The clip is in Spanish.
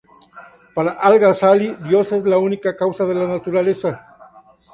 Para Al-Ghazali, Dios es la única causa de la naturaleza.